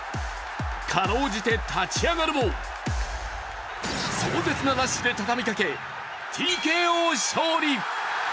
辛うじて立ち上がるも壮絶なラッシュで畳みかけＴＫＯ勝利。